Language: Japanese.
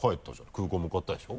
空港向かったでしょ？